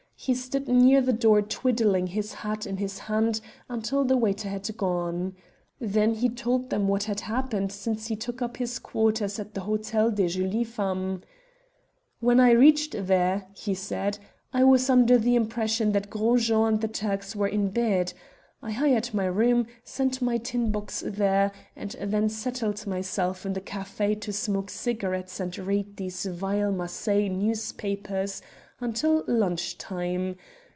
He stood near the door twiddling his hat in his hand until the waiter had gone. Then he told them what had happened since he took up his quarters at the Hotel des Jolies Femmes. "When I reached there," he said, "I was under the impression that Gros Jean and the Turks were in bed. I hired my room; sent my tin box there, and then settled myself in the café to smoke cigarettes and read these vile Marseilles newspapers until lunch time.